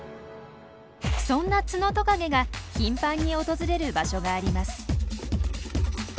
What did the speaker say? そんなツノトカゲが頻繁に訪れる場所があります。